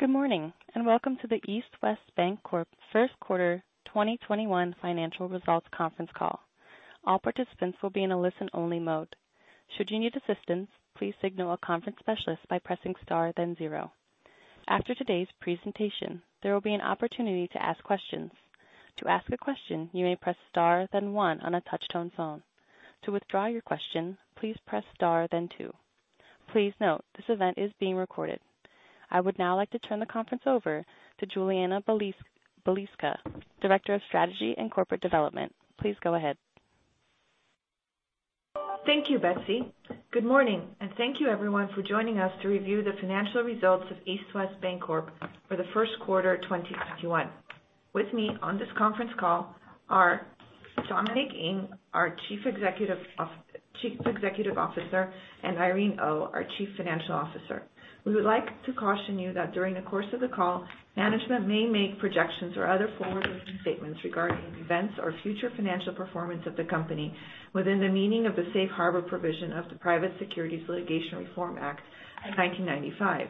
Good morning, and welcome to the East West Bancorp First Quarter 2021 Financial Results Conference Call. All participants will be in a listen-only mode. Should you need assistance, please signal a conference specialist by pressing star and zero. After today's presentation, there will be an opportunity to ask questions. To ask a question, you may press star then one on a touch-tone phone. To withdraw your question, please press star then two. Please note, this event is being recorded. I would now like to turn the conference over to Julianna Balicka, Director of Strategy and Corporate Development. Please go ahead. Thank you, Betsy. Good morning, and thank you everyone for joining us to review the financial results of East West Bancorp for the first quarter 2021. With me on this conference call are Dominic Ng, our Chief Executive Officer, and Irene Oh, our Chief Financial Officer. We would like to caution you that during the course of the call, management may make projections or other forward-looking statements regarding events or future financial performance of the company within the meaning of the safe harbor provision of the Private Securities Litigation Reform Act of 1995.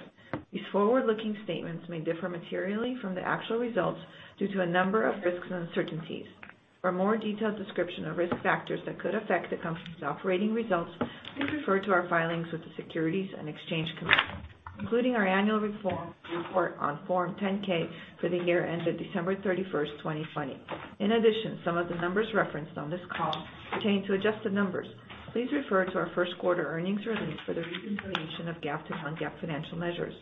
These forward-looking statements may differ materially from the actual results due to a number of risks and uncertainties. For a more detailed description of risk factors that could affect the company's operating results, please refer to our filings with the Securities and Exchange Commission, including our annual report on Form 10-K for the year ended December 31st, 2020. In addition, some of the numbers referenced on this call pertain to adjusted numbers. Please refer to our first quarter earnings release for the reconciliation of GAAP to non-GAAP financial measures.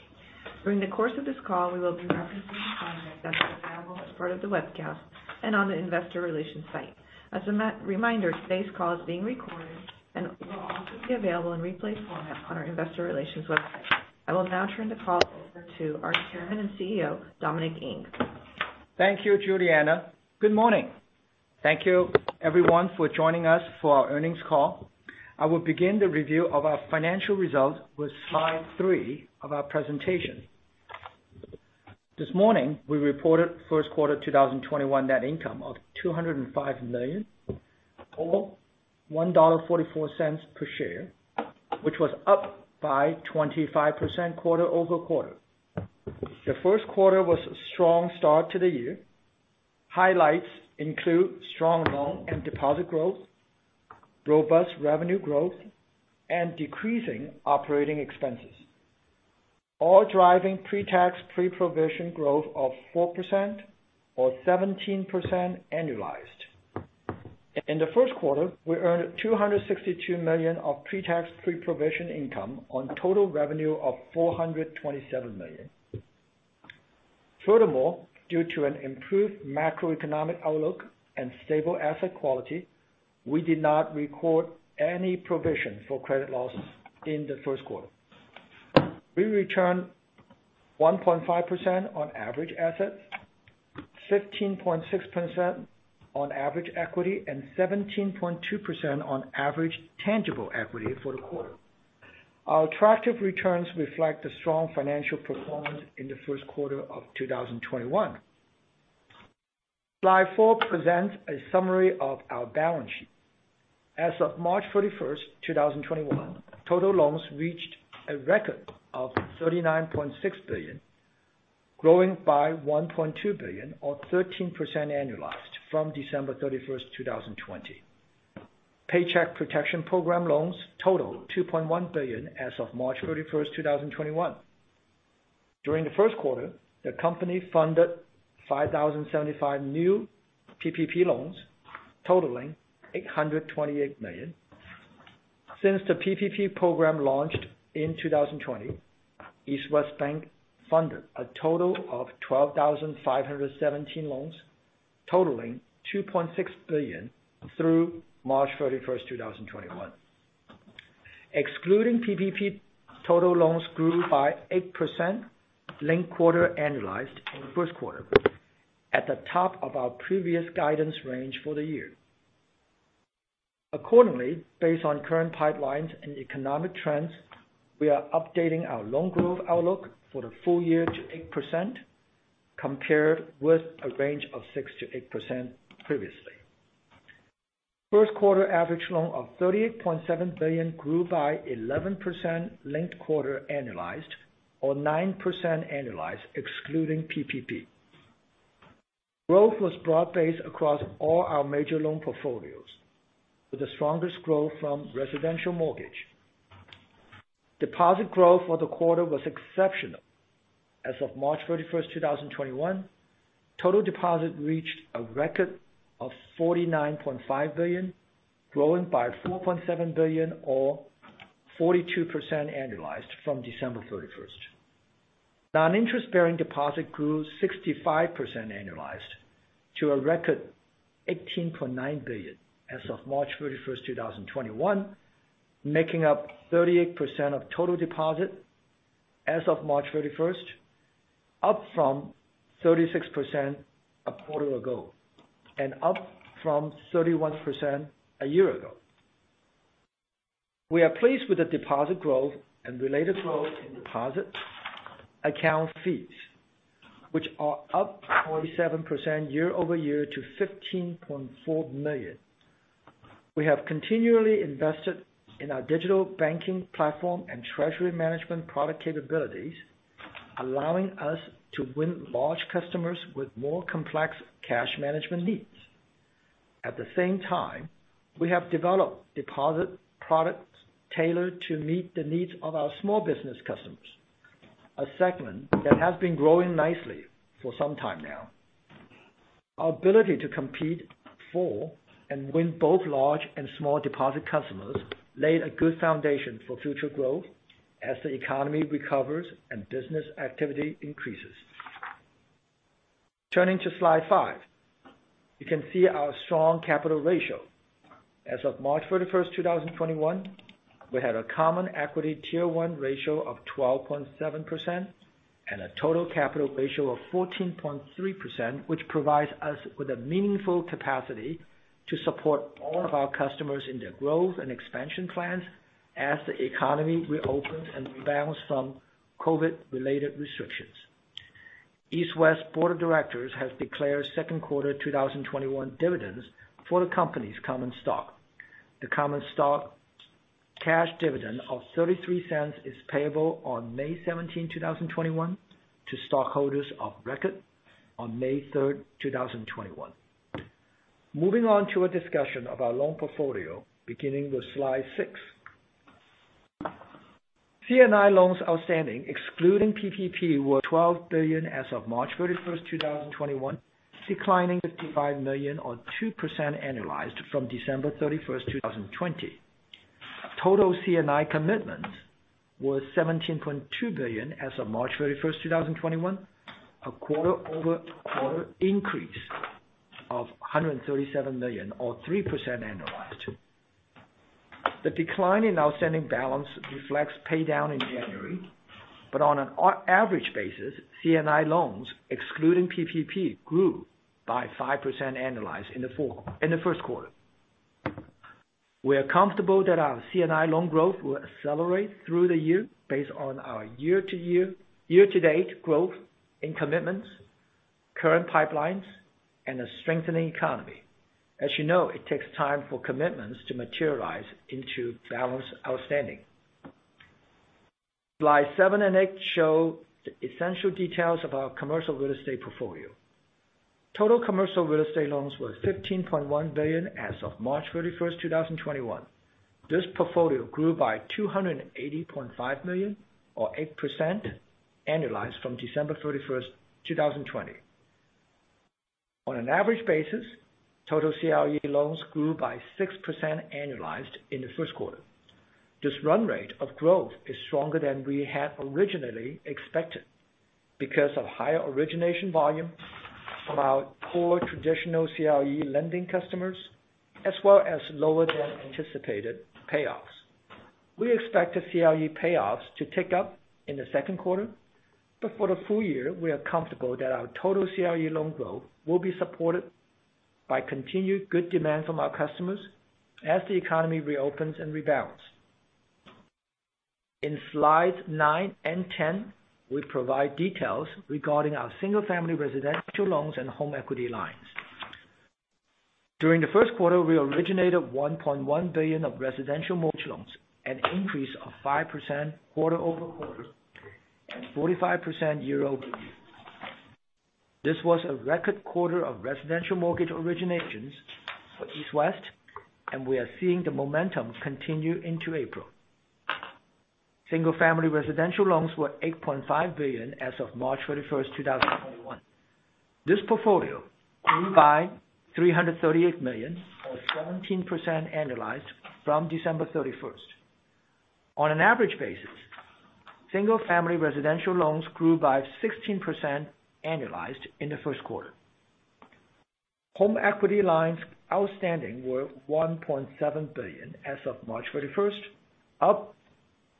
During the course of this call, we will be referencing finances available as part of the webcast and on the investor relations site. As a reminder, today's call is being recorded and will also be available in replay format on our investor relations website. I will now turn the call over to our Chairman and CEO, Dominic Ng. Thank you, Julianna. Good morning. Thank you everyone for joining us for our earnings call. I will begin the review of our financial results with slide three of our presentation. This morning, we reported first quarter 2021 net income of $205 million, or $1.44 per share, which was up by 25% quarter-over-quarter. The first quarter was a strong start to the year. Highlights include strong loan and deposit growth, robust revenue growth, and decreasing operating expenses, all driving pre-tax, pre-provision growth of 4%, or 17% annualized. In the first quarter, we earned $262 million of pre-tax, pre-provision income on total revenue of $427 million. Furthermore, due to an improved macroeconomic outlook and stable asset quality, we did not record any provision for credit losses in the first quarter. We returned 1.5% on average assets, 15.6% on average equity, and 17.2% on average tangible equity for the quarter. Our attractive returns reflect a strong financial performance in the first quarter of 2021. Slide four presents a summary of our balance sheet. As of March 31st, 2021, total loans reached a record of $39.6 billion, growing by $1.2 billion or 13% annualized from December 31st, 2020. Paycheck Protection Program loans total $2.1 billion as of March 31st, 2021. During the first quarter, the company funded 5,075 new PPP loans totaling $828 million. Since the PPP program launched in 2020, East West Bank funded a total of 12,517 loans totaling $2.6 billion through March 31st, 2021. Excluding PPP, total loans grew by 8% linked quarter annualized in the first quarter at the top of our previous guidance range for the year. Accordingly, based on current pipelines and economic trends, we are updating our loan growth outlook for the full year to 8%, compared with a range of 6%-8% previously. First quarter average loan of $38.7 billion grew by 11% linked quarter annualized, or 9% annualized excluding PPP. Growth was broad-based across all our major loan portfolios, with the strongest growth from residential mortgage. Deposit growth for the quarter was exceptional. As of March 31st, 2021, total deposit reached a record of $49.5 billion, growing by $4.7 billion or 42% annualized from December 31st. Non-interest-bearing deposit grew 65% annualized to a record $18.9 billion as of March 31st, 2021, making up 38% of total deposit as of March 31st, up from 36% a quarter ago, and up from 31% a year ago. We are pleased with the deposit growth and related growth in deposit account fees, which are up 47% year-over-year to $15.4 million. We have continually invested in our digital banking platform and treasury management product capabilities, allowing us to win large customers with more complex cash management needs. At the same time, we have developed deposit products tailored to meet the needs of our small business customers, a segment that has been growing nicely for some time now. Our ability to compete for and win both large and small deposit customers laid a good foundation for future growth as the economy recovers and business activity increases. Turning to slide five. You can see our strong capital ratio. As of March 31st, 2021, we had a common equity Tier 1 ratio of 12.7% and a total capital ratio of 14.3%, which provides us with a meaningful capacity to support all of our customers in their growth and expansion plans as the economy reopens and rebounds from COVID-related restrictions. East West board of directors has declared second quarter 2021 dividends for the company's common stock. The common stock cash dividend of $0.33 is payable on May 17, 2021, to stockholders of record on May 3rd, 2021. Moving on to a discussion of our loan portfolio beginning with slide six. C&I loans outstanding, excluding PPP, were $12 billion as of March 31st, 2021, declining $55 million or 2% annualized from December 31st, 2020. Total C&I commitments were $17.2 billion as of March 31st, 2021, a quarter-over-quarter increase of $137 million or 3% annualized. The decline in outstanding balance reflects pay down in January, but on an average basis, C&I loans, excluding PPP, grew by 5% annualized in the first quarter. We are comfortable that our C&I loan growth will accelerate through the year based on our year-to-year, year-to-date growth in commitments, current pipelines, and a strengthening economy. As you know, it takes time for commitments to materialize into balance outstanding. Slide seven and eight show the essential details of our commercial real estate portfolio. Total commercial real estate loans were $15.1 billion as of March 31st, 2021. This portfolio grew by $280.5 million or 8% annualized from December 31st, 2020. On an average basis, total CRE loans grew by 6% annualized in the first quarter. This run rate of growth is stronger than we had originally expected because of higher origination volume from our core traditional CRE lending customers, as well as lower than anticipated payoffs. We expect the CRE payoffs to tick up in the second quarter, but for the full year, we are comfortable that our total CRE loan growth will be supported by continued good demand from our customers as the economy reopens and rebounds. In slides nine and 10, we provide details regarding our single-family residential loans and home equity lines. During the first quarter, we originated $1.1 billion of residential mortgage loans, an increase of 5% quarter-over-quarter and 45% year-over-year. This was a record quarter of residential mortgage originations for East West, and we are seeing the momentum continue into April. Single family residential loans were $8.5 billion as of March 31st, 2021. This portfolio grew by $338 million or 17% annualized from December 31st. On an average basis, single family residential loans grew by 16% annualized in the first quarter. Home equity lines outstanding were $1.7 billion as of March 31st, up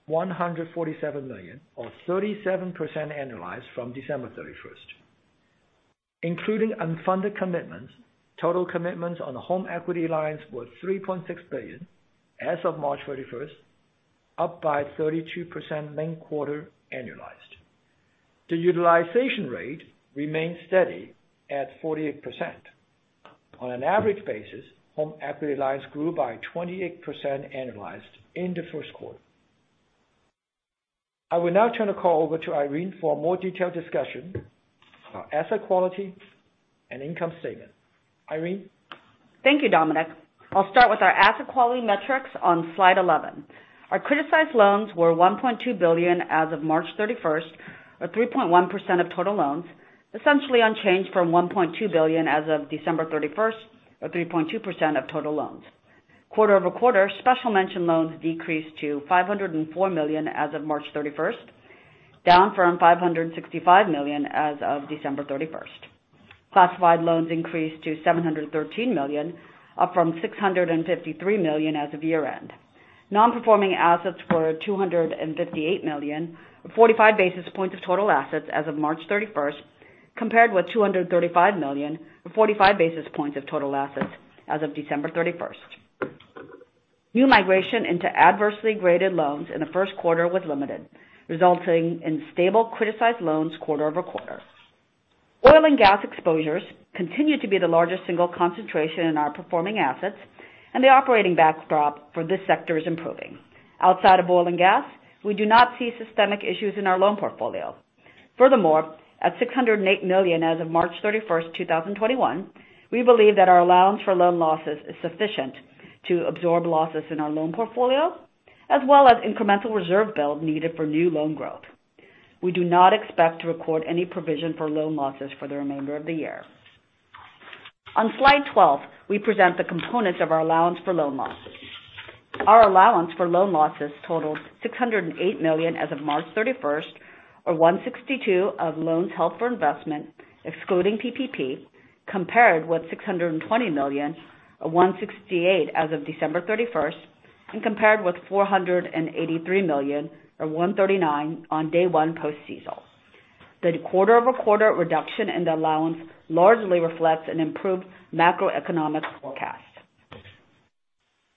$147 million or 37% annualized from December 31st. Including unfunded commitments, total commitments on home equity lines were $3.6 billion as of March 31st, up by 32% linked quarter annualized. The utilization rate remained steady at 48%. On an average basis, home equity lines grew by 28% annualized in the first quarter. I will now turn the call over to Irene for a more detailed discussion on asset quality and income statement. Irene? Thank you, Dominic. I'll start with our asset quality metrics on slide 11. Our criticized loans were $1.2 billion as of March 31st or 3.1% of total loans, essentially unchanged from $1.2 billion as of December 31st or 3.2% of total loans. Quarter-over-quarter, special mention loans decreased to $504 million as of March 31st, down from $565 million as of December 31st. Classified loans increased to $713 million, up from $653 million as of year-end. Non-performing assets were $258 million or 45 basis points of total assets as of March 31st, compared with $235 million or 45 basis points of total assets as of December 31st. New migration into adversely graded loans in the first quarter was limited, resulting in stable criticized loans quarter-over-quarter. Oil and gas exposures continue to be the largest single concentration in our performing assets, and the operating backdrop for this sector is improving. Outside of oil and gas, we do not see systemic issues in our loan portfolio. Furthermore, at $608 million as of March 31st, 2021, we believe that our allowance for loan losses is sufficient to absorb losses in our loan portfolio, as well as incremental reserve build needed for new loan growth. We do not expect to record any provision for loan losses for the remainder of the year. On slide 12, we present the components of our allowance for loan losses. Our allowance for loan losses totaled $608 million as of March 31st, or 162% of loans held for investment, excluding PPP, compared with $620 million, or 168% as of December 31st, and compared with $483 million, or 139% on day one post-CECL. The quarter-over-quarter reduction in the allowance largely reflects an improved macroeconomic forecast.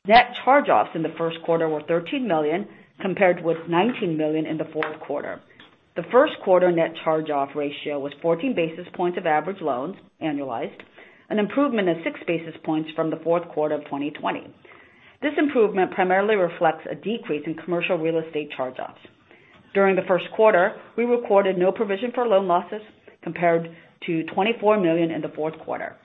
Net charge-offs in the first quarter were $13 million, compared with $19 million in the fourth quarter. The first quarter net charge-off ratio was 14 basis points of average loans annualized, an improvement of 6 basis points from the fourth quarter of 2020. This improvement primarily reflects a decrease in commercial real estate charge-offs. During the first quarter, we recorded no provision for loan losses, compared to $24 million in the fourth quarter.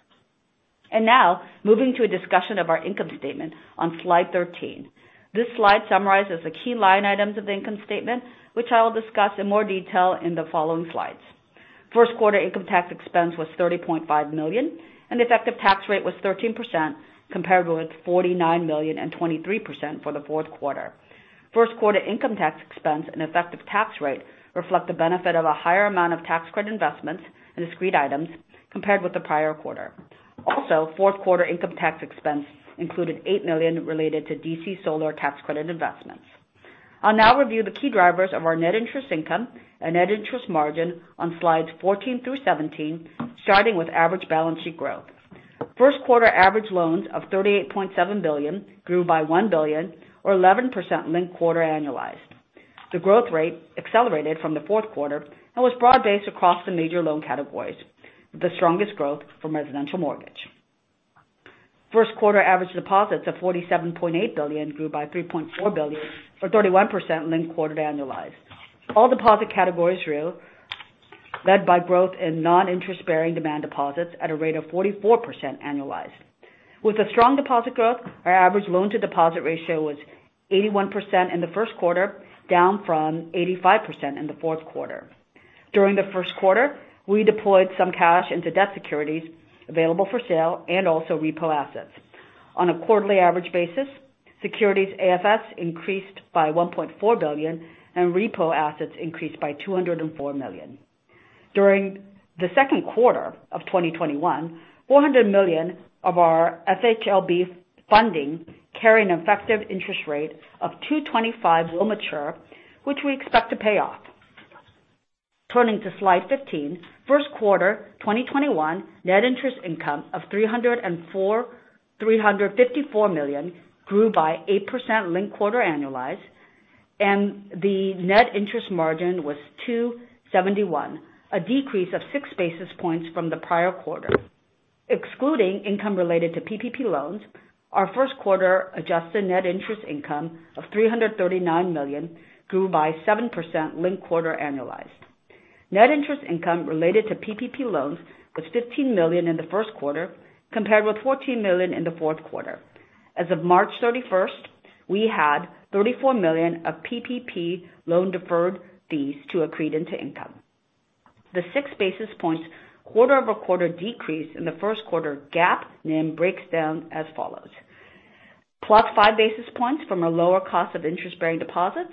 And now moving to a discussion of our income statement on Slide 13. This slide summarizes the key line items of the income statement, which I will discuss in more detail in the following slides. First quarter income tax expense was $30.5 million, and the effective tax rate was 13%, compared with $49 million and 23% for the fourth quarter. First quarter income tax expense and effective tax rate reflect the benefit of a higher amount of tax credit investments and discrete items compared with the prior quarter. Also, fourth quarter income tax expense included $8 million related to DC Solar tax credit investments. I'll now review the key drivers of our net interest income and net interest margin on slides 14 through 17, starting with average balance sheet growth. First quarter average loans of $38.7 billion grew by $1 billion or 11% linked quarter annualized. The growth rate accelerated from the fourth quarter and was broad-based across the major loan categories, with the strongest growth from residential mortgage. First quarter average deposits of $47.8 billion grew by $3.4 billion, or 31% linked-quarter annualized. All deposit categories grew, led by growth in non-interest-bearing demand deposits at a rate of 44% annualized. With the strong deposit growth, our average loan to deposit ratio was 81% in the first quarter, down from 85% in the fourth quarter. During the first quarter, we deployed some cash into debt securities available for sale and also repo assets. On a quarterly average basis, securities AFS increased by $1.4 billion and repo assets increased by $204 million. During the second quarter of 2021, $400 million of our FHLB funding carry an effective interest rate of 225 will mature, which we expect to pay off. Turning to slide 15, first quarter 2021 net interest income of $354 million grew by 8% linked quarter annualized, and the net interest margin was 271, a decrease of 6 basis points from the prior quarter. Excluding income related to PPP loans, our first quarter adjusted net interest income of $339 million grew by 7% linked quarter annualized. Net interest income related to PPP loans was $15 million in the first quarter, compared with $14 million in the fourth quarter. As of March 31st, we had $34 million of PPP loan-deferred fees to accrete into income. The 6 basis points quarter-over-quarter decrease in the first quarter GAAP NIM breaks down as follows: +5 basis points from a lower cost of interest-bearing deposits,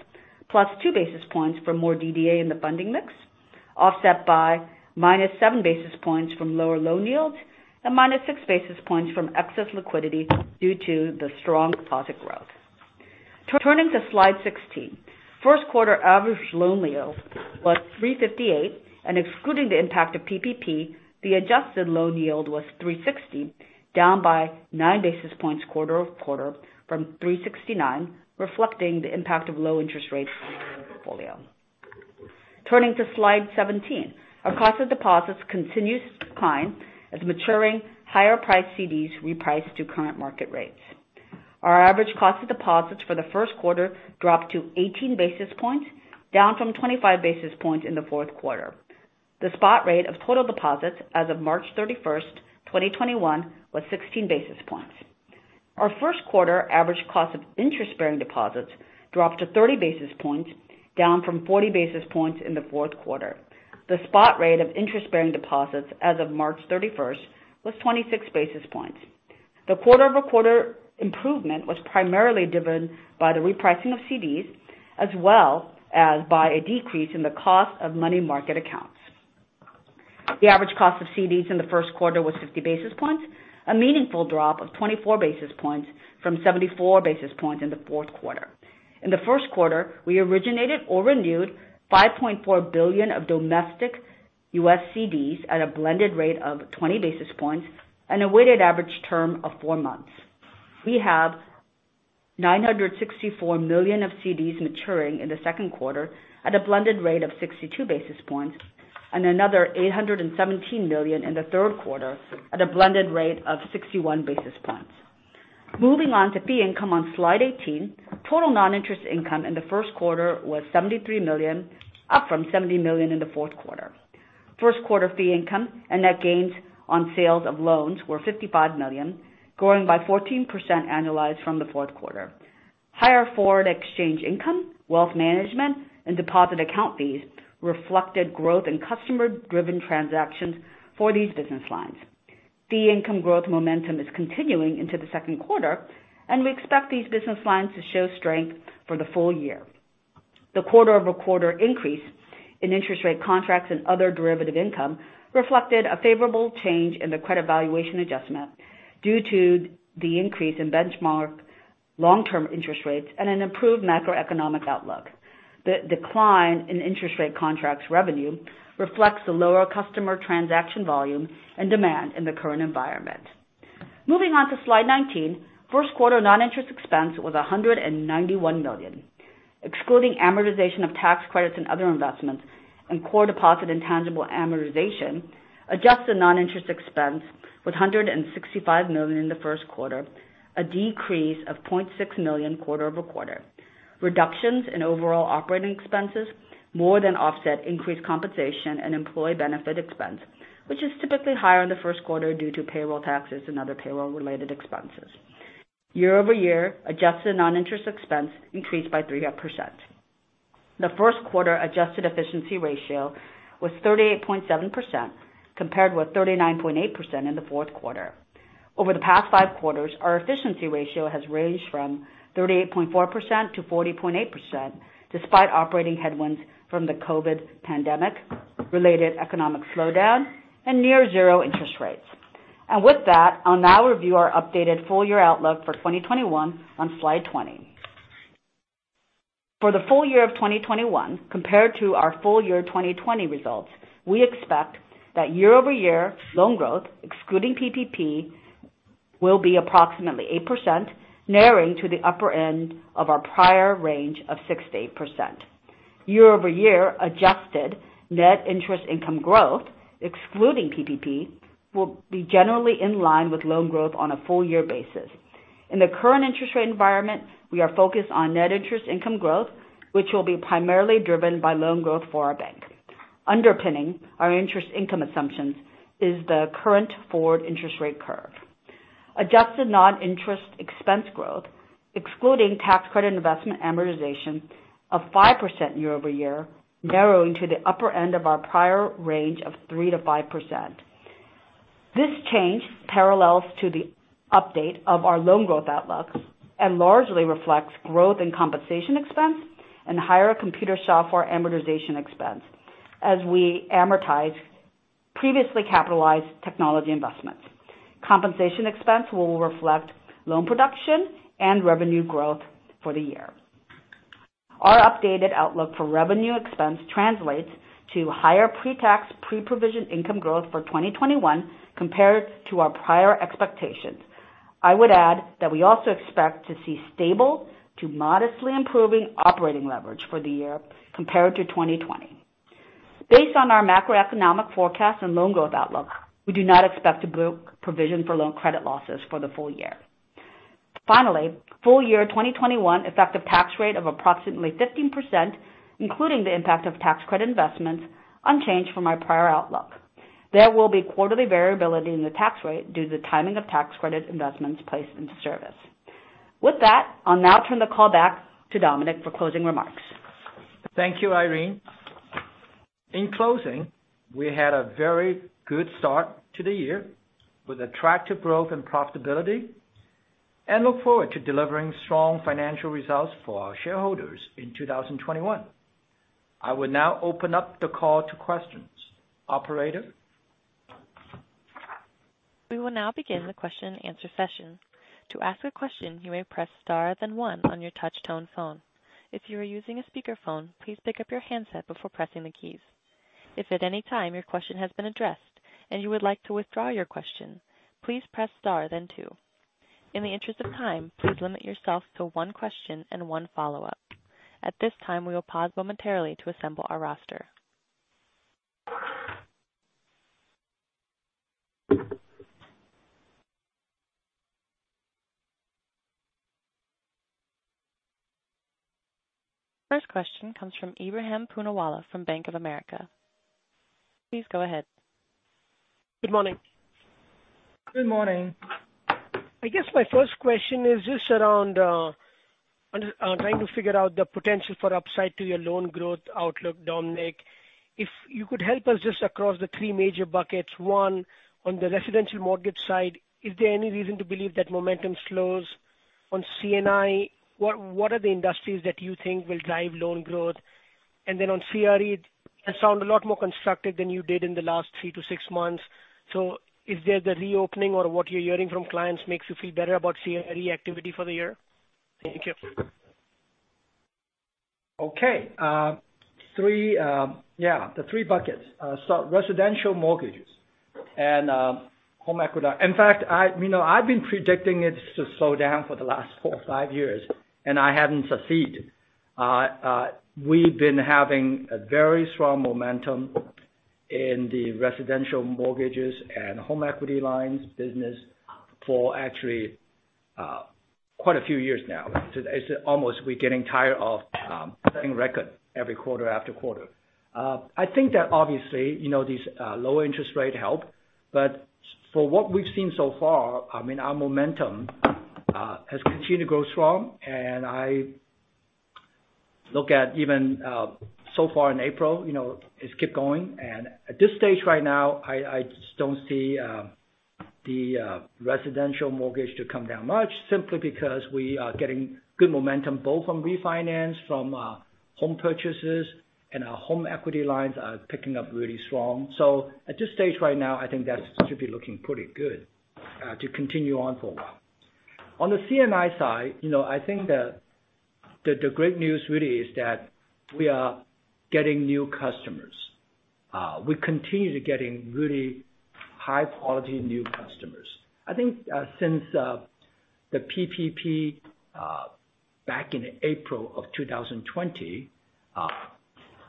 +2 basis points for more DDA in the funding mix, offset by -7 basis points from lower loan yields and -6 basis points from excess liquidity due to the strong deposit growth. Turning to slide 16, first quarter average loan yield was 358, and excluding the impact of PPP, the adjusted loan yield was 360, down by 9 basis points quarter-over-quarter from 369, reflecting the impact of low interest rates on the portfolio. Turning to slide 17, our cost of deposits continues to decline as maturing higher priced CDs reprice to current market rates. Our average cost of deposits for the first quarter dropped to 18 basis points, down from 25 basis points in the fourth quarter. The spot rate of total deposits as of March 31st, 2021, was 16 basis points. Our first quarter average cost of interest-bearing deposits dropped to 30 basis points, down from 40 basis points in the fourth quarter. The spot rate of interest-bearing deposits as of March 31st was 26 basis points. The quarter-over-quarter improvement was primarily driven by the repricing of CDs as well as by a decrease in the cost of money market accounts. The average cost of CDs in the first quarter was 50 basis points, a meaningful drop of 24 basis points from 74 basis points in the fourth quarter. In the first quarter, we originated or renewed $5.4 billion of domestic U.S. CDs at a blended rate of 20 basis points and a weighted average term of four months. We have $964 million of CDs maturing in the second quarter at a blended rate of 62 basis points and another $817 million in the third quarter at a blended rate of 61 basis points. Moving on to fee income on slide 18. Total non-interest income in the first quarter was $73 million, up from $70 million in the fourth quarter. First quarter fee income and net gains on sales of loans were $55 million, growing by 14% annualized from the fourth quarter. Higher forward exchange income, wealth management, and deposit account fees reflected growth in customer-driven transactions for these business lines. Fee income growth momentum is continuing into the second quarter, and we expect these business lines to show strength for the full year. The quarter-over-quarter increase in interest rate contracts and other derivative income reflected a favorable change in the credit valuation adjustment due to the increase in benchmark long-term interest rates and an improved macroeconomic outlook. The decline in interest rate contracts revenue reflects the lower customer transaction volume and demand in the current environment. Moving on to slide 19. First quarter non-interest expense was $191 million. Excluding amortization of tax credits and other investments and core deposit intangible amortization, adjusted non-interest expense was $165 million in the first quarter, a decrease of $0.6 million quarter-over-quarter. Reductions in overall operating expenses more than offset increased compensation and employee benefit expense, which is typically higher in the first quarter due to payroll taxes and other payroll-related expenses. Year-over-year, adjusted non-interest expense increased by 3%. The first quarter adjusted efficiency ratio was 38.7%, compared with 39.8% in the fourth quarter. Over the past five quarters, our efficiency ratio has ranged from 38.4%-40.8%, despite operating headwinds from the COVID pandemic, related economic slowdown, and near zero interest rates. With that, I'll now review our updated full-year outlook for 2021 on slide 20. For the full year of 2021 compared to our full year 2020 results, we expect that year-over-year loan growth, excluding PPP, will be approximately 8%, narrowing to the upper end of our prior range of 6%-8%. Year-over-year adjusted net interest income growth, excluding PPP, will be generally in line with loan growth on a full year basis. In the current interest rate environment, we are focused on net interest income growth, which will be primarily driven by loan growth for our bank. Underpinning our interest income assumptions is the current forward interest rate curve. Adjusted non-interest expense growth, excluding tax credit investment amortization of 5% year-over-year, narrowing to the upper end of our prior range of 3%-5%. This change parallels to the update of our loan growth outlook and largely reflects growth in compensation expense and higher computer software amortization expense as we amortize previously capitalized technology investments. Compensation expense will reflect loan production and revenue growth for the year. Our updated outlook for revenue expense translates to higher pre-tax, pre-provision income growth for 2021 compared to our prior expectations. I would add that we also expect to see stable to modestly improving operating leverage for the year compared to 2020. Based on our macroeconomic forecast and loan growth outlook, we do not expect to book provision for loan credit losses for the full year. Finally, full year 2021 effective tax rate of approximately 15%, including the impact of tax credit investments, unchanged from our prior outlook. There will be quarterly variability in the tax rate due to the timing of tax credit investments placed into service. With that, I'll now turn the call back to Dominic for closing remarks. Thank you, Irene. In closing, we had a very good start to the year with attractive growth and profitability and look forward to delivering strong financial results for our shareholders in 2021. I will now open up the call to questions. Operator? We will now begin the question-and-answer session. To ask a question, you may press star then one on your touch tone phone. If you are using a speakerphone, please pick up your handset before pressing the keys. If at any time your question has been addressed and you would like to withdraw your question, please press star then two. In the interest of time, please limit yourself to one question and one follow-up. At this time, we will pause momentarily to assemble our roster. First question comes from Ebrahim Poonawala from Bank of America. Please go ahead. Good morning. Good morning. I guess my first question is just around trying to figure out the potential for upside to your loan growth outlook, Dominic. If you could help us just across the three major buckets. One, on the residential mortgage side, is there any reason to believe that momentum slows? On C&I, what are the industries that you think will drive loan growth? And then on CRE, you sound a lot more constructive than you did in the last three to six months. Is there the reopening or what you're hearing from clients makes you feel better about CRE activity for the year? Thank you. Okay. Yeah, the three buckets. Residential mortgages and home equity. In fact, I've been predicting it to slow down for the last four or five years, and I haven't succeeded. We've been having a very strong momentum in the residential mortgages and home equity lines business for actually quite a few years now. It's almost we're getting tired of setting records every quarter after quarter. I think that obviously, these lower interest rates help, but for what we've seen so far, our momentum has continued to grow strong, and I look at even so far in April, it's kept going. At this stage right now, I just don't see the residential mortgage to come down much simply because we are getting good momentum both from refinance, from home purchases, and our home equity lines are picking up really strong. At this stage right now, I think that should be looking pretty good to continue on for a while. On the C&I side, I think the great news really is that we are getting new customers. We continue to get really high-quality new customers. I think since the PPP back in April of 2020,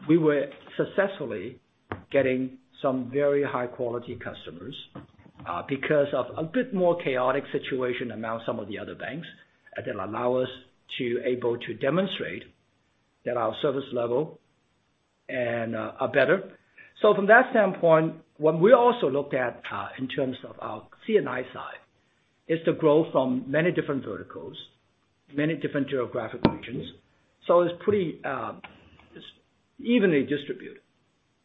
we were successfully getting some very high-quality customers because of a bit more chaotic situation than now some of the other banks that allow us to able to demonstrate that our service level are better. From that standpoint, what we also looked at in terms of our C&I side is the growth from many different verticals, many different geographic regions. It's pretty evenly distributed,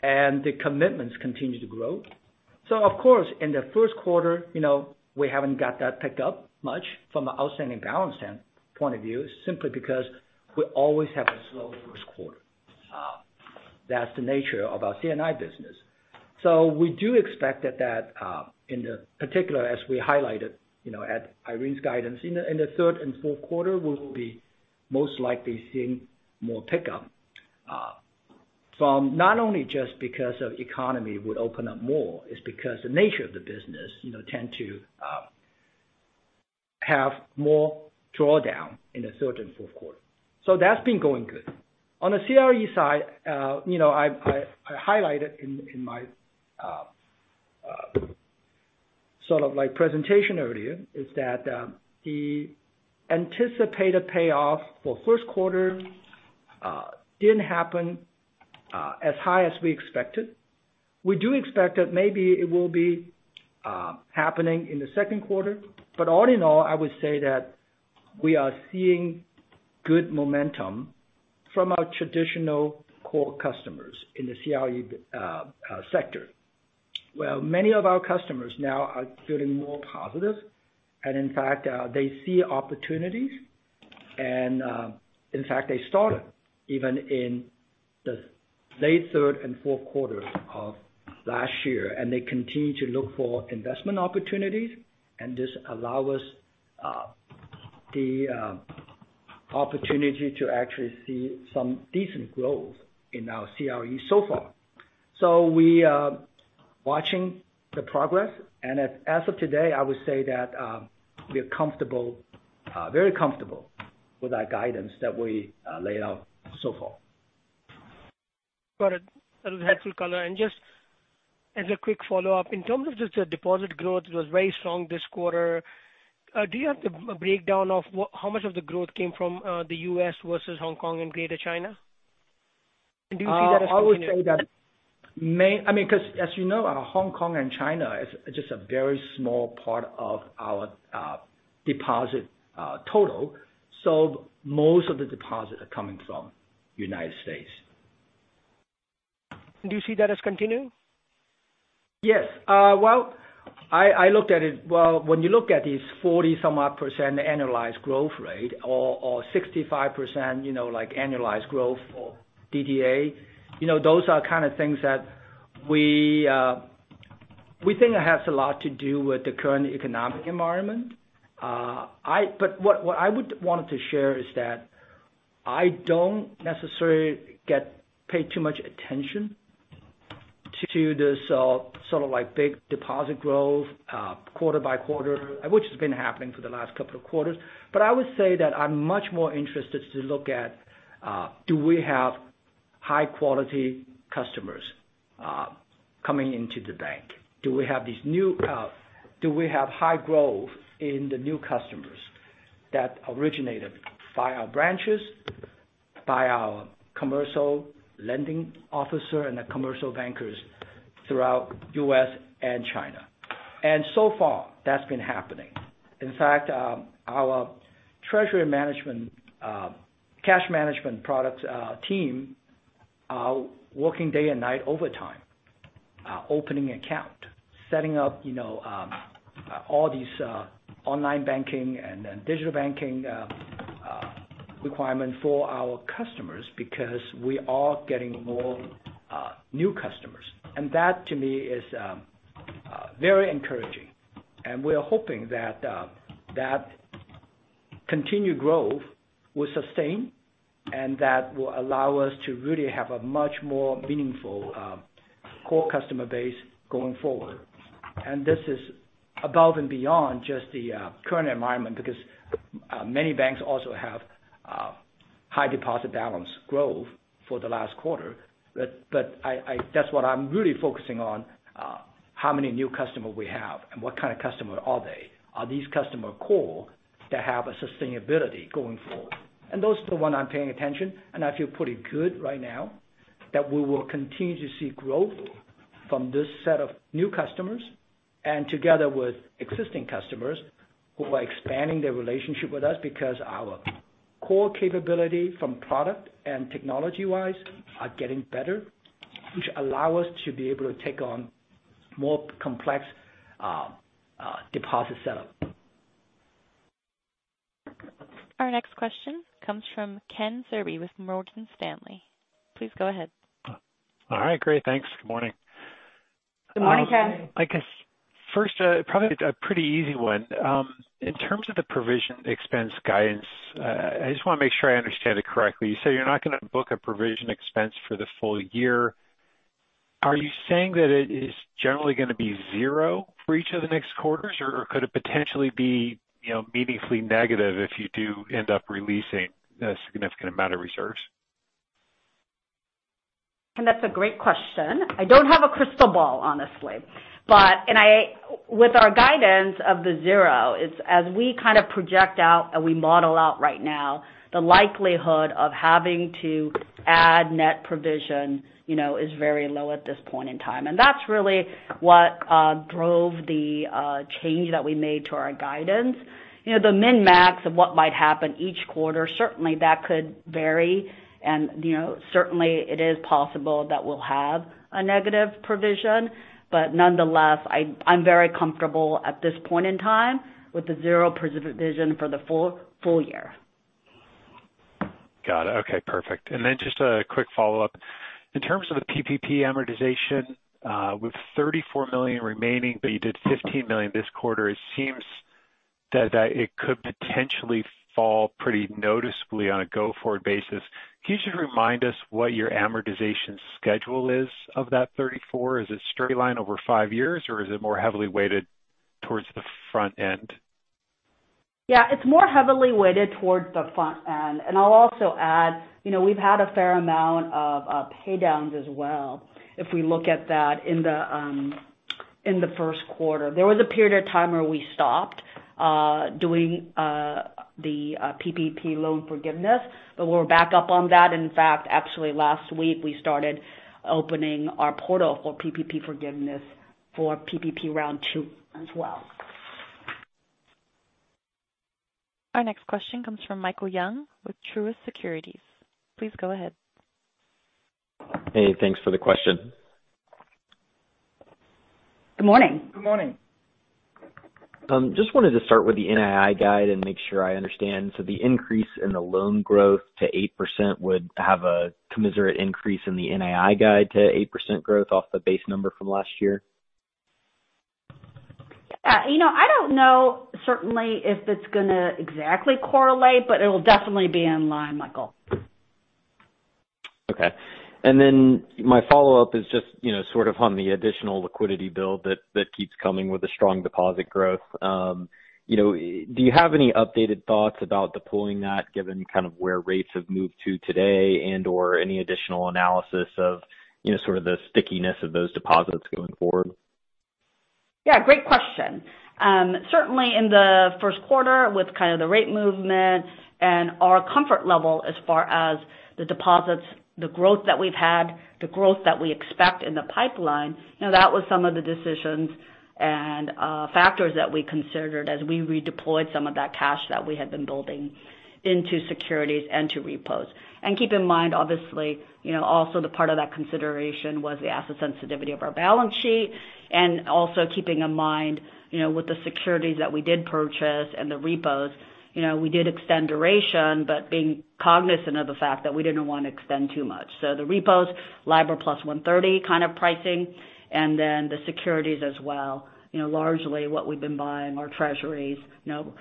and the commitments continue to grow. Of course, in the first quarter, we haven't got that pick up much from an outstanding balance point of view, simply because we always have a slow first quarter. That's the nature of our C&I business. We do expect that in particular, as we highlighted at Irene's guidance, in the third and fourth quarter, we'll be most likely seeing more pickup from not only just because of economy would open up more, it's because the nature of the business tend to have more drawdown in the third and fourth quarter. That's been going good. On the CRE side, I highlighted in my presentation earlier is that the anticipated payoff for first quarter didn't happen as high as we expected. We do expect that maybe it will be happening in the second quarter. But all in all, I would say that we are seeing good momentum from our traditional core customers in the CRE sector, where many of our customers now are feeling more positive. And in fact, they see opportunities. In fact, they started even in the late third and fourth quarters of last year, and they continue to look for investment opportunities, and this allow us the opportunity to actually see some decent growth in our CRE so far. We are watching the progress, and as of today, I would say that we are comfortable, very comfortable with our guidance that we laid out so far. Got it. That was helpful color. And just as a quick follow-up, in terms of just the deposit growth, it was very strong this quarter. Do you have the breakdown of how much of the growth came from the U.S. versus Hong Kong and Greater China? Do you see that as continuing? I would say that, I mean, because as you know, Hong Kong and China is just a very small part of our deposit total. Most of the deposits are coming from United States. Do you see that as continuing? Yes. Well, when you look at these 40 somewhat percent annualized growth rate or 65% annualized growth for DDA, those are kind of things that we think has a lot to do with the current economic environment. What I would want to share is that I don't necessarily pay too much attention to this sort of big deposit growth quarter by quarter, which has been happening for the last couple of quarters. But I would say that I'm much more interested to look at, do we have high-quality customers coming into the bank? Do we have high growth in the new customers that originated by our branches, by our commercial lending officer, and the commercial bankers throughout U.S. and China? And so far, that's been happening. In fact, our treasury management, cash management products team are working day and night overtime, opening account, setting up all these online banking and then digital banking requirement for our customers because we are getting more new customers. And that to me is very encouraging. We are hoping that continued growth will sustain and that will allow us to really have a much more meaningful core customer base going forward. And this is above and beyond just the current environment because many banks also have high deposit balance growth for the last quarter. That's what I'm really focusing on, how many new customer we have and what kind of customer are they. Are these customer core to have a sustainability going forward? And those the one I'm paying attention, and I feel pretty good right now that we will continue to see growth from this set of new customers and together with existing customers who are expanding their relationship with us because our core capability from product and technology-wise are getting better, which allow us to be able to take on more complex deposit setup. Our next question comes from Ken Zerbe with Morgan Stanley. Please go ahead. All right, great. Thanks. Good morning. Good morning, Ken. I guess first, probably a pretty easy one. In terms of the provision expense guidance, I just want to make sure I understand it correctly. You say you're not going to book a provision expense for the full year. Are you saying that it is generally going to be zero for each of the next quarters, or could it potentially be meaningfully negative if you do end up releasing a significant amount of reserves? Ken, that's a great question. I don't have a crystal ball, honestly. But, with our guidance of the zero is as we project out and we model out right now, the likelihood of having to add net provision is very low at this point in time. And that's really what drove the change that we made to our guidance. The min-max of what might happen each quarter, certainly that could vary and certainly it is possible that we'll have a negative provision, but nonetheless, I'm very comfortable at this point in time with the zero provision for the full year. Got it. Okay, perfect. Just a quick follow-up. In terms of the PPP amortization, with $34 million remaining, but you did $15 million this quarter, it seems that it could potentially fall pretty noticeably on a go-forward basis. Can you just remind us what your amortization schedule is of that $34? Is it straight line over five years, or is it more heavily weighted towards the front end? Yeah, it's more heavily weighted towards the front end, and I'll also add we've had a fair amount of pay downs as well if we look at that in the first quarter. There was a period of time where we stopped doing the PPP loan forgiveness, but we're back up on that. In fact, actually last week, we started opening our portal for PPP forgiveness for PPP round two as well. Our next question comes from Michael Young with Truist Securities. Please go ahead. Hey, thanks for the question. Good morning. Good morning. Just wanted to start with the NII guide and make sure I understand. The increase in the loan growth to 8% would have a commensurate increase in the NII guide to 8% growth off the base number from last year? Yeah. I don't know certainly if it's going to exactly correlate, but it'll definitely be in line, Michael. Okay. And then my follow-up is just sort of on the additional liquidity build that keeps coming with the strong deposit growth. Do you have any updated thoughts about deploying that given kind of where rates have moved to today and/or any additional analysis of sort of the stickiness of those deposits going forward? Yeah, great question. Certainly in the first quarter with kind of the rate movement and our comfort level as far as the deposits, the growth that we've had, the growth that we expect in the pipeline. That was some of the decisions and factors that we considered as we redeployed some of that cash that we had been building into securities and to repos. Keep in mind, obviously, also the part of that consideration was the asset sensitivity of our balance sheet, and also keeping in mind, with the securities that we did purchase and the repos, we did extend duration, but being cognizant of the fact that we didn't want to extend too much. The repos, LIBOR plus 130 kind of pricing, and then the securities as well. Largely what we've been buying are Treasuries, repo,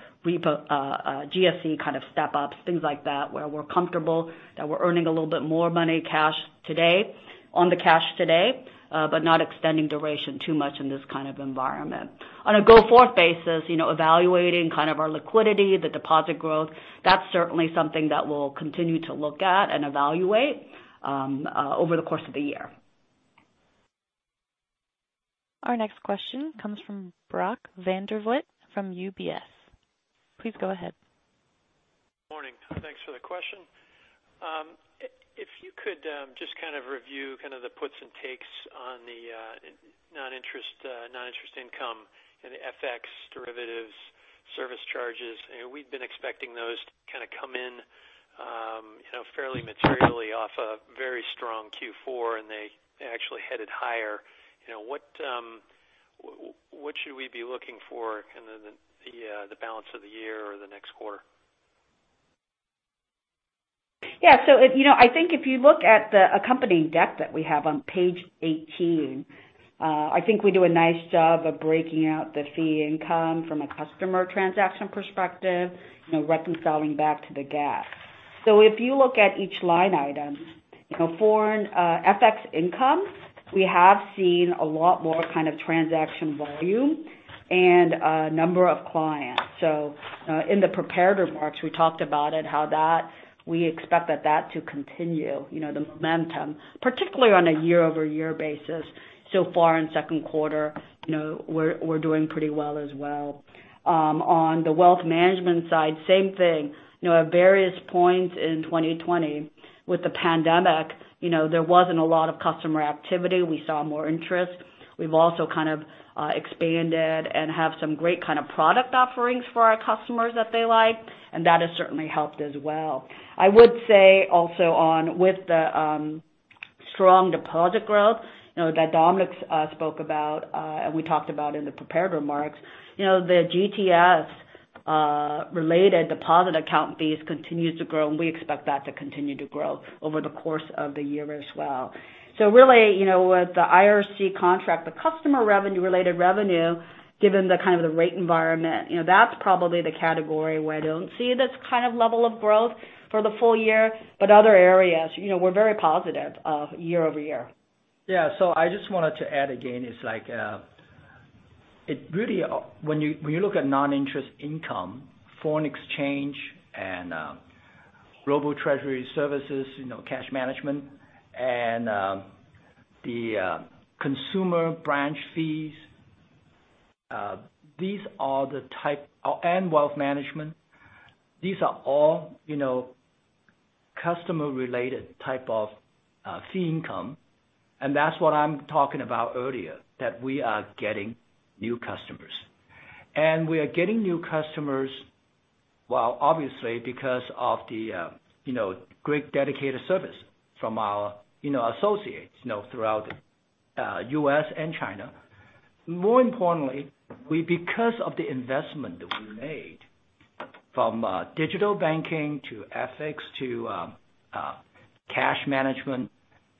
GSE kind of step ups, things like that, where we're comfortable that we're earning a little bit more money cash today, on the cash today, but not extending duration too much in this kind of environment. On a go-forward basis, evaluating kind of our liquidity, the deposit growth, that's certainly something that we'll continue to look at and evaluate over the course of the year. Our next question comes from Brock Vandervliet from UBS. Please go ahead. Morning. Thanks for the question. If you could just kind of review kind of the puts and takes on the non-interest income and the FX derivatives service charges. We've been expecting those to kind of come in fairly materially off a very strong Q4, they actually headed higher. What should we be looking for in the balance of the year or the next quarter? Yeah. I think if you look at the accompanying deck that we have on page 18, I think we do a nice job of breaking out the fee income from a customer transaction perspective, reconciling back to the GAAP. If you look at each line item, foreign FX income, we have seen a lot more kind of transaction volume and number of clients. In the prepared remarks, we talked about it, how we expect that to continue, the momentum, particularly on a year-over-year basis. So far in second quarter, we're doing pretty well as well. On the wealth management side, same thing. At various points in 2020 with the pandemic, there wasn't a lot of customer activity. We saw more interest. We've also kind of expanded and have some great kind of product offerings for our customers that they like, and that has certainly helped as well. I would say also on with the strong deposit growth that Dominic spoke about, and we talked about in the prepared remarks, the GTS-related deposit account fees continues to grow, and we expect that to continue to grow over the course of the year as well. Really with the IRC contract, the customer revenue-related revenue, given the kind of the rate environment, that's probably the category where I don't see this kind of level of growth for the full year. But other areas, we're very positive year-over-year. Yeah, so, I just wanted to add again, when you look at non-interest income, foreign exchange and global treasury services, cash management and the consumer branch fees and wealth management, these are all customer-related type of fee income. And that's what I'm talking about earlier, that we are getting new customers. We are getting new customers, well, obviously because of the great dedicated service from our associates throughout U.S. and China. More importantly, because of the investment that we made from digital banking to FX to cash management,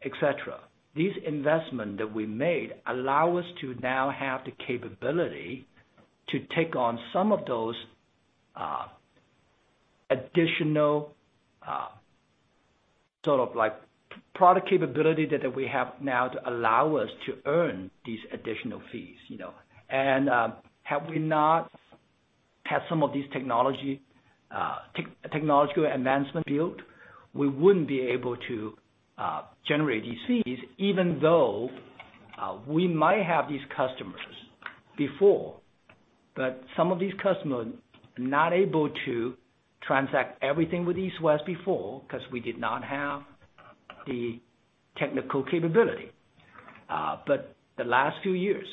et cetera. These investment that we made allow us to now have the capability to take on some of those additional sort of like product capability that we have now to allow us to earn these additional fees. Had we not had some of these technological advancement built, we wouldn't be able to generate these fees, even though we might have these customers before. Some of these customers not able to transact everything with East West before because we did not have the technical capability. The last few years,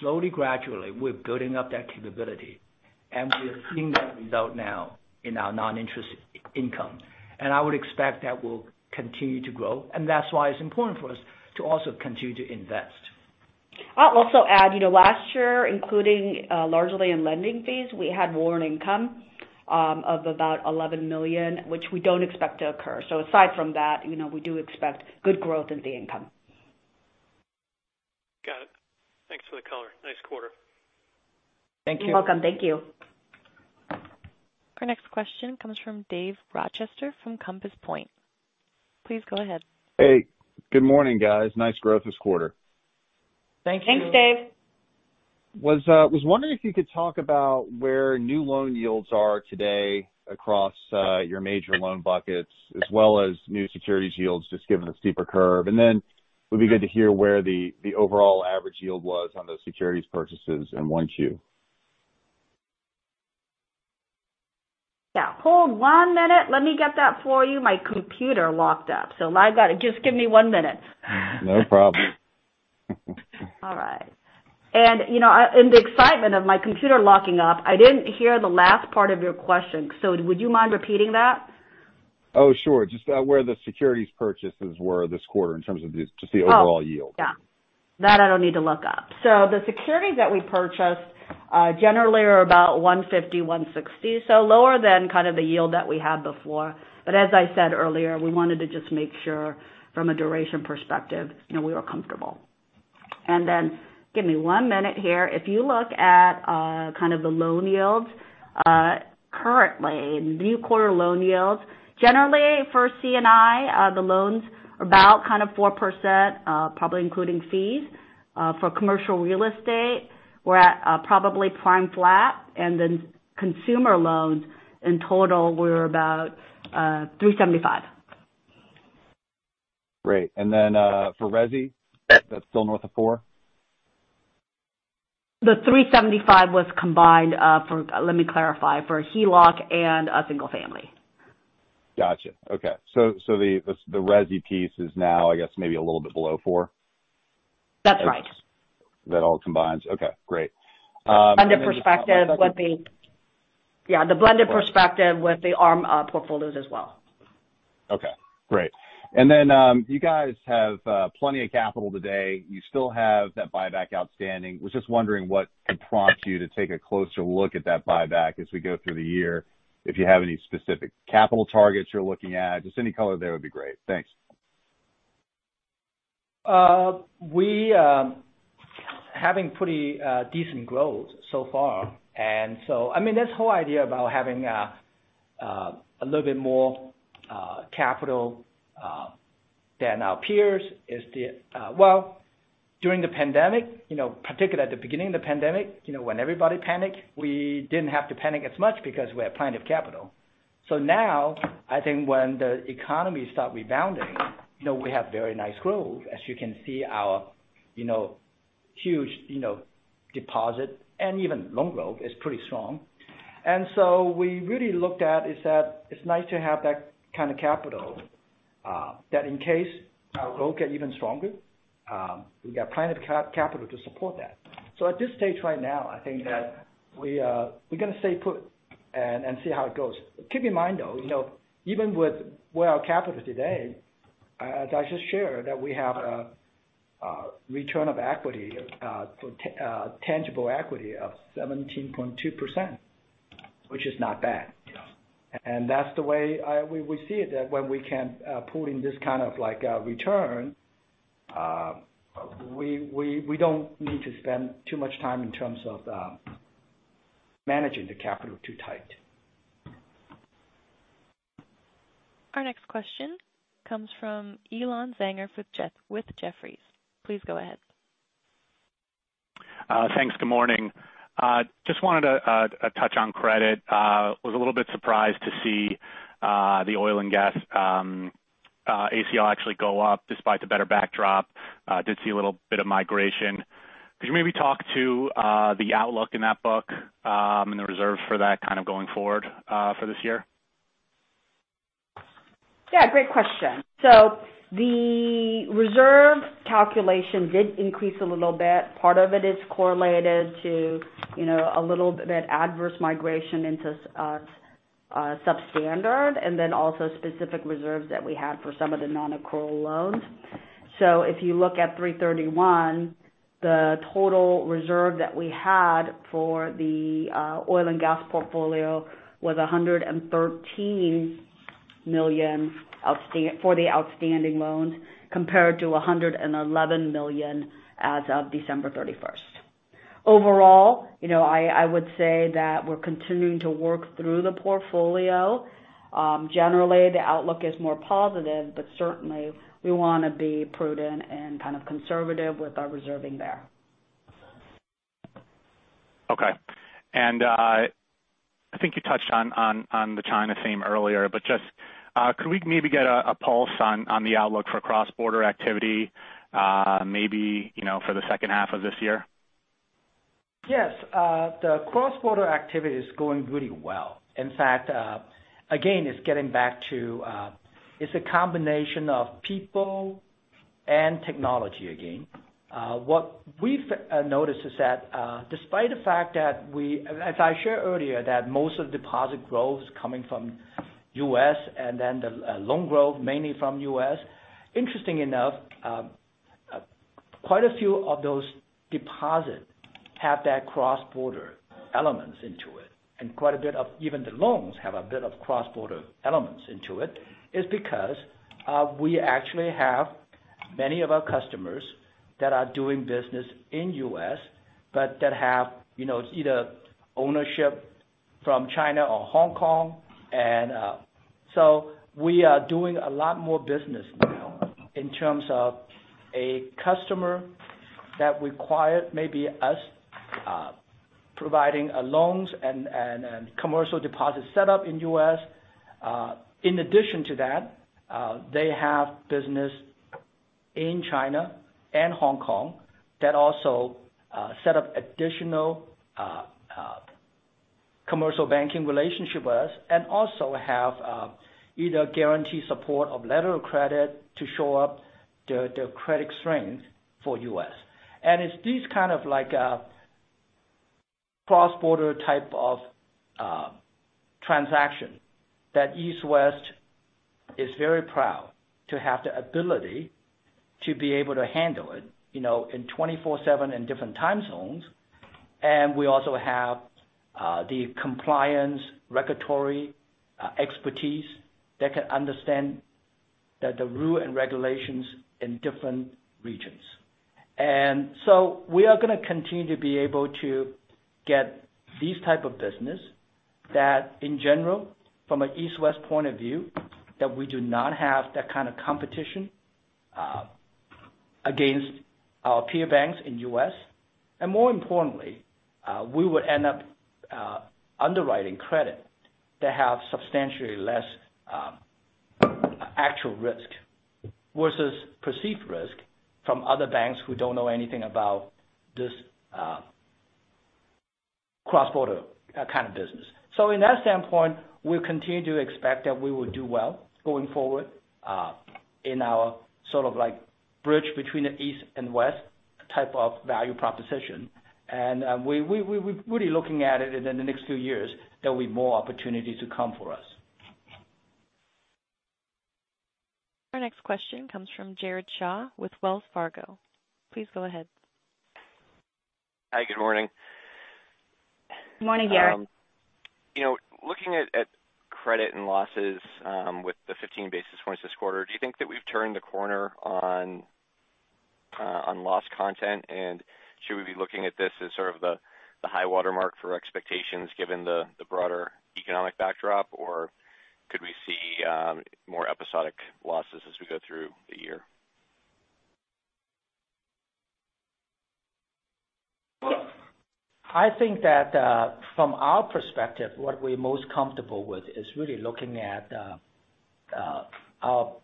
slowly, gradually, we're building up that capability, and we are seeing that result now in our non-interest income. And I would expect that will continue to grow, and that's why it's important for us to also continue to invest. I'll also add, last year, including largely in lending fees, we had more income of about $11 million, which we don't expect to occur. Aside from that, we do expect good growth in the income. Got it. Thanks for the color. Nice quarter. Thank you. You're welcome. Thank you. Our next question comes from Dave Rochester from Compass Point. Please go ahead. Hey, good morning, guys. Nice growth this quarter. Thank you. Thanks, Dave. Was wondering if you could talk about where new loan yields are today across your major loan buckets as well as new securities yields, just given the steeper curve. It would be good to hear where the overall average yield was on those securities purchases in 1Q. Yeah. Hold one minute. Let me get that for you. My computer locked up. So I got to, just give me one minute. No problem. All right. And in the excitement of my computer locking up, I didn't hear the last part of your question. Would you mind repeating that? Oh, sure. Just where the securities purchases were this quarter in terms of just the overall yield. Yeah. That I don't need to look up. The securities that we purchased generally are about 1.50%, 1.60%, so lower than kind of the yield that we had before. But as I said earlier, we wanted to just make sure from a duration perspective we were comfortable. Give me one minute here. If you look at kind of the loan yields, currently new quarter loan yields, generally for C&I, the loans are about kind of 4%, probably including fees. For commercial real estate, we're at probably prime flat, and then consumer loans in total were about 3.75%. Great. Then for resi, that's still north of 4%? The 3.75% was combined, let me clarify, for HELOC and a single family. Got you. Okay. The resi piece is now, I guess maybe a little bit below four? That's right. That all combines. Okay, great. And then you- On the perspective, what they- Yeah, the blended perspective with the ARM portfolios as well. Okay. Great. And then you guys have plenty of capital today. You still have that buyback outstanding. Was just wondering what could prompt you to take a closer look at that buyback as we go through the year, if you have any specific capital targets you're looking at. Just any color there would be great. Thanks. We are having pretty decent growth so far. And so, I mean, this whole idea about having a little bit more capital than our peers is during the pandemic, particularly at the beginning of the pandemic, when everybody panicked, we didn't have to panic as much because we had plenty of capital. So now, I think when the economy start rebounding, we have very nice growth. As you can see our huge deposit and even loan growth is pretty strong. We really looked at is that it's nice to have that kind of capital, that in case our growth get even stronger, we got plenty of capital to support that. At this stage right now, I think that we're going to stay put and see how it goes. Keep in mind though, even with where our capital today, as I just shared, that we have a return of equity for tangible equity of 17.2%, which is not bad. Yeah. That's the way we see it, that when we can pull in this kind of return, we don't need to spend too much time in terms of managing the capital too tight. Our next question comes from Elan Zanger with Jefferies. Please go ahead. Thanks. Good morning. Just wanted a touch on credit. Was a little bit surprised to see the oil and gas ACL actually go up despite the better backdrop. Did see a little bit of migration. Could you maybe talk to the outlook in that book, and the reserve for that kind of going forward for this year? Yeah, great question. The reserve calculation did increase a little bit. Part of it is correlated to a little bit adverse migration into substandard and then also specific reserves that we had for some of the non-accrual loans. If you look at 331, the total reserve that we had for the oil and gas portfolio was $113 million for the outstanding loans, compared to $111 million as of December 31st. Overall, I would say that we're continuing to work through the portfolio. Generally, the outlook is more positive, but certainly we want to be prudent and kind of conservative with our reserving there. Okay. I think you touched on the China theme earlier. Could we maybe get a pulse on the outlook for cross-border activity maybe for the second half of this year? Yes. The cross-border activity is going really well. In fact, again, it's getting back to it's a combination of people and technology again. What we've noticed is that despite the fact that as I shared earlier, that most of deposit growth is coming from U.S. and then the loan growth mainly from U.S., interesting enough, quite a few of those deposits have that cross-border elements into it. Quite a bit of even the loans have a bit of cross-border elements into it, is because we actually have many of our customers that are doing business in U.S., but that have either ownership from China or Hong Kong. So we are doing a lot more business now in terms of a customer that required maybe us providing loans and commercial deposit set up in U.S. In addition to that, they have business in China and Hong Kong that also set up additional commercial banking relationship with us, and also have either guarantee support of letter of credit to show up their credit strength for U.S. And it's these kind of cross-border type of transaction that East West is very proud to have the ability to be able to handle it in 24/7 in different time zones. And we also have the compliance regulatory expertise that can understand the rule and regulations in different regions. And so we are going to continue to be able to get these type of business that, in general, from an East West point of view, that we do not have that kind of competition against our peer banks in U.S. And more importantly, we would end up underwriting credit that have substantially less actual risk versus perceived risk from other banks who don't know anything about this cross-border kind of business. In that standpoint, we'll continue to expect that we will do well going forward. In our sort of bridge between the East and West type of value proposition. We're really looking at it in the next few years, there'll be more opportunities to come for us. Our next question comes from Jared Shaw with Wells Fargo. Please go ahead. Hi, good morning. Good morning, Jared. Looking at credit and losses with the 15 basis points this quarter, do you think that we've turned the corner on loss content? Should we be looking at this as sort of the high water mark for expectations, given the broader economic backdrop, or could we see more episodic losses as we go through the year? I think that from our perspective, what we're most comfortable with is really looking at our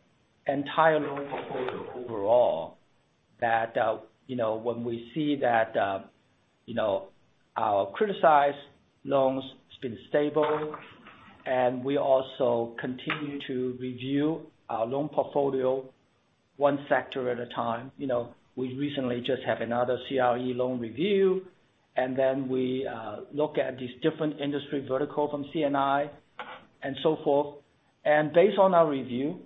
entire loan portfolio overall that when we see that our criticized loans has been stable, and we also continue to review our loan portfolio one sector at a time. We recently just have another CRE loan review, and then we look at these different industry vertical from C&I, and so forth. Based on our review,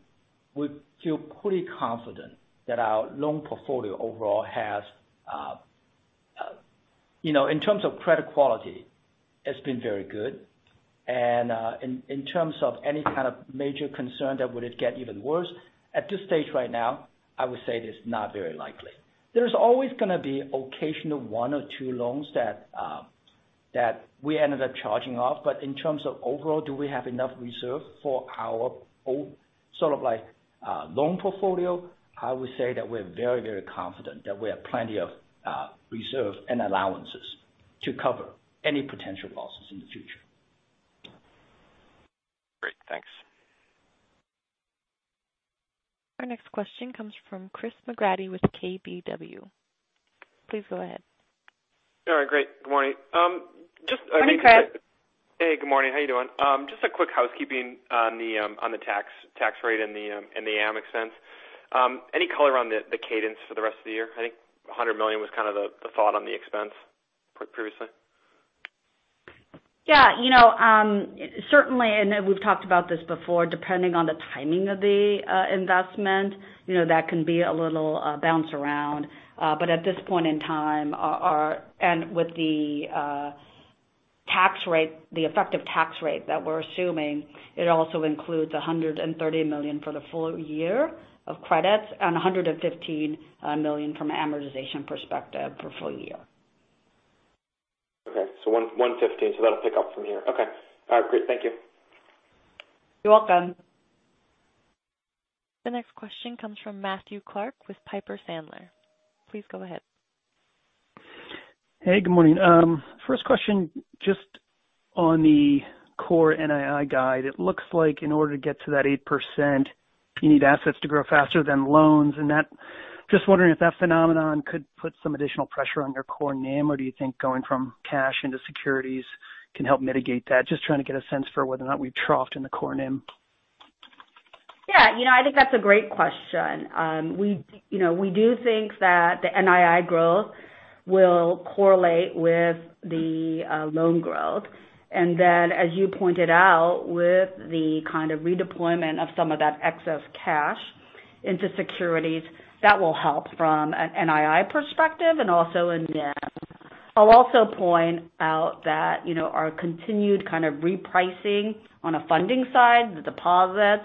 we feel pretty confident that our loan portfolio overall In terms of credit quality, it's been very good. In terms of any kind of major concern that would get even worse, at this stage right now, I would say it is not very likely. There's always going to be occasional one or two loans that we ended up charging off. In terms of overall, do we have enough reserve for our loan portfolio? I would say that we're very confident that we have plenty of reserve and allowances to cover any potential losses in the future. Great. Thanks. Our next question comes from Chris McGratty with KBW. Please go ahead. All right, great. Good morning. Just a- Morning, Chris. Hey, good morning. How you doing? Just a quick housekeeping on the tax rate and the amort expense. Any color on the cadence for the rest of the year? I think $100 million was kind of the thought on the expense previously. Yeah. Certainly, we've talked about this before, depending on the timing of the investment, that can be a little bounce around. At this point in time, and with the effective tax rate that we're assuming, it also includes $130 million for the full year of credits and $115 million from amortization perspective for full year. Okay. $115, so that'll pick up from here. Okay. All right, great. Thank you. You're welcome. The next question comes from Matthew Clark with Piper Sandler. Please go ahead. Hey, good morning. First question, just on the core NII guide, it looks like in order to get to that 8%, you need assets to grow faster than loans. Just wondering if that phenomenon could put some additional pressure on your core NIM, or do you think going from cash into securities can help mitigate that? Just trying to get a sense for whether or not we've troughed in the core NIM. Yeah. I think that's a great question. We do think that the NII growth will correlate with the loan growth. And as you pointed out, with the kind of redeployment of some of that excess cash into securities, that will help from an NII perspective and also in NIM. I'll also point out that our continued kind of repricing on a funding side, the deposits,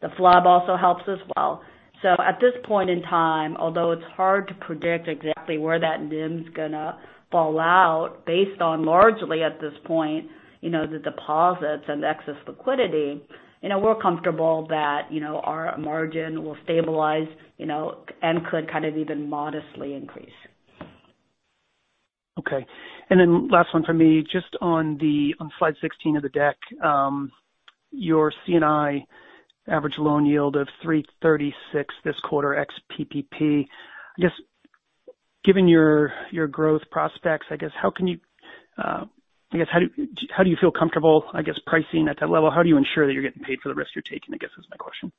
the FHLB also helps as well. So at this point in time, although it's hard to predict exactly where that NIM's going to fall out based on largely, at this point, the deposits and excess liquidity, we're comfortable that our margin will stabilize, and could kind of even modestly increase. Okay. And then last one for me, just on slide 16 of the deck, your C&I average loan yield of 336 this quarter ex-PPP. I guess, given your growth prospects, how do you feel comfortable, I guess, pricing at that level? How do you ensure that you're getting paid for the risk you're taking, I guess is my question.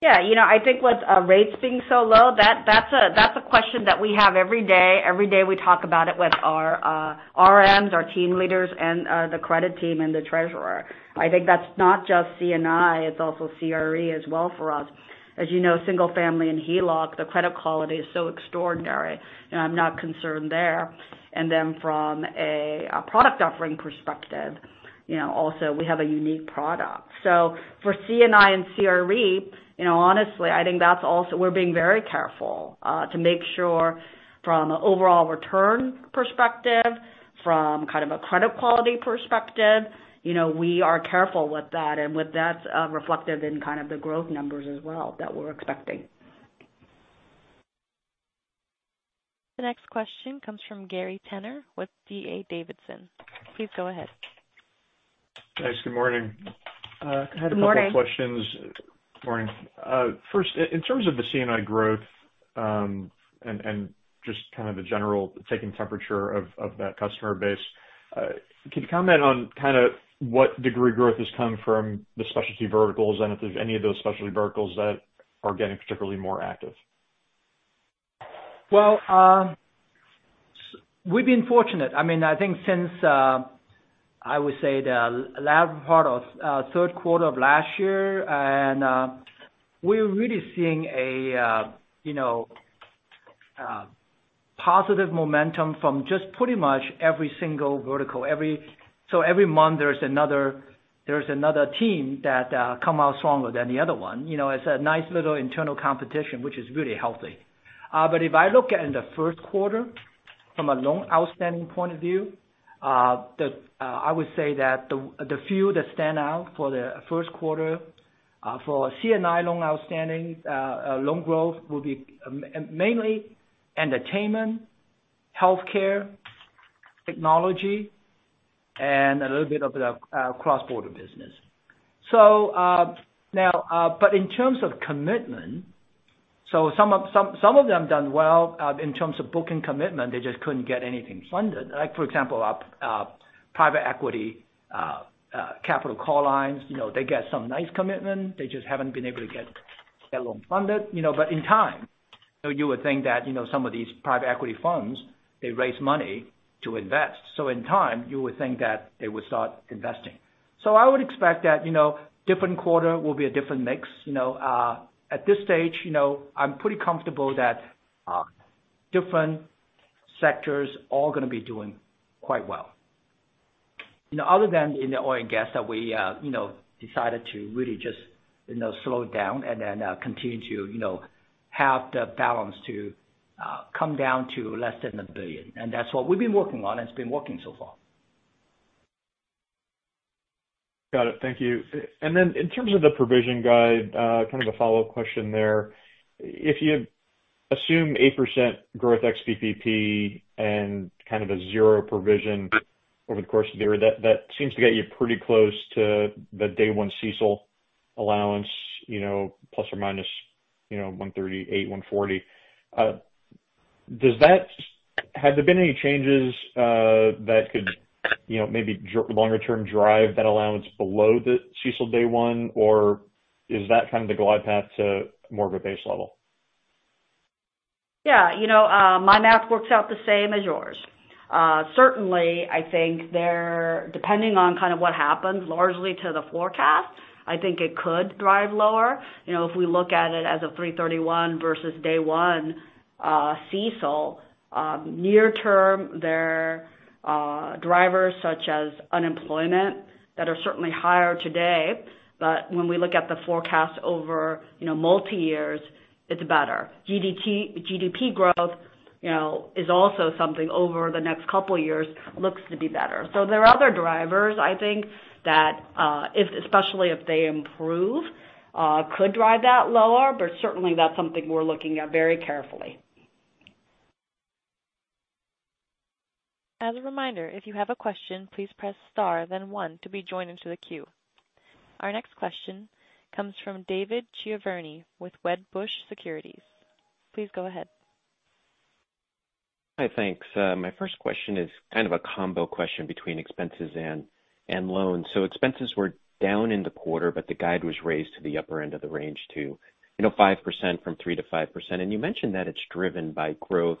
Yeah. I think with rates being so low, that's a question that we have every day. Every day we talk about it with our RMs, our team leaders, and the credit team and the treasurer. I think that's not just C&I, it's also CRE as well for us. As you know, single family and HELOC, the credit quality is so extraordinary, and I'm not concerned there. And then from a product offering perspective, also we have a unique product. For C&I and CRE, honestly, I think that's also we're being very careful to make sure from an overall return perspective, from kind of a credit quality perspective, we are careful with that and with that reflected in kind of the growth numbers as well that we're expecting. The next question comes from Gary Tenner with D.A. Davidson. Please go ahead. Thanks. Good morning. I had a couple fo questions- Good morning. Morning. First, in terms of the C&I growth, and just the general taking temperature of that customer base, could you comment on what degree growth has come from the specialty verticals and if there's any of those specialty verticals that are getting particularly more active? Well, we've been fortunate. I think since, I would say the latter part of third quarter of last year, we're really seeing a positive momentum from just pretty much every single vertical. Every month there's another team that come out stronger than the other one. It's a nice little internal competition, which is really healthy. But if I look at in the first quarter from a loan outstanding point of view, I would say that the few that stand out for the first quarter for C&I loan outstanding, loan growth will be mainly entertainment, healthcare, technology, and a little bit of the cross-border business. So, now, in terms of commitment, some of them done well in terms of booking commitment, they just couldn't get anything funded. Like for example, private equity capital call lines, they get some nice commitment, they just haven't been able to get their loan funded. But in time, you would think that some of these private equity funds, they raise money to invest. So in time you would think that they would start investing. I would expect that different quarter will be a different mix. At this stage, I'm pretty comfortable that different sectors all going to be doing quite well. Other than in the oil and gas that we decided to really just slow it down and then continue to have the balance to come down to less than $1 billion. That's what we've been working on, and it's been working so far. Got it. Thank you. In terms of the provision guide, kind of a follow-up question there. If you assume 8% growth ex-PPP and kind of a zero provision over the course of the year, that seems to get you pretty close to the day one CECL allowance ±1.38%, ±1.40%. Does that, has there been any changes that could maybe longer term drive that allowance below the CECL day one, or is that kind of the glide path to more of a base level? Yeah. My math works out the same as yours. Certainly, I think they're depending on kind of what happens largely to the forecast. I think it could drive lower. If we look at it as a 331 versus day one CECL, near term there are drivers such as unemployment that are certainly higher today. When we look at the forecast over multi-years, it's better. GDP growth is also something over the next couple of years looks to be better. There are other drivers I think that especially if they improve, could drive that lower, but certainly that's something we're looking at very carefully. As a reminder, if you have a question, please press star then one to be joined into the queue. Our next question comes from David Chiaverini with Wedbush Securities. Please go ahead. Hi, thanks. My first question is kind of a combo question between expenses and loans. Expenses were down in the quarter, but the guide was raised to the upper end of the range to 5% from 3%-5%. You mentioned that it's driven by growth